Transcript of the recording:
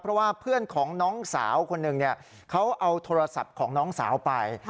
เพราะว่าเพื่อนของน้องสาวคนหนึ่งเขาเอาโทรศัพท์ของน้องสาวไป